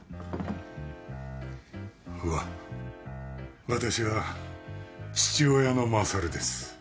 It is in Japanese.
わ私は父親の勝です。